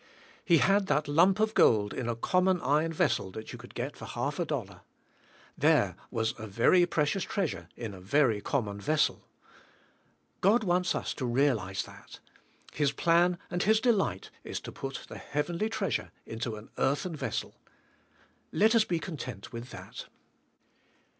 He had that lump of gold in a common iron vessel that you could get for a half a dollar. There was a very precious treasure in a very common vessel. God wants us to realize that. His plan and His delight is to put the heavenly treasure into an earthen vessel. Let us be content with that.